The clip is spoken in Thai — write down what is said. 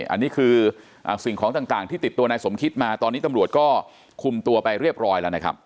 อันนี้คือสิ่งของต่างที่ติดตัวนายสมคิดมาตอนนี้ตำรวจก็คุมตัวไปเรียบร้อยแล้วนะครับ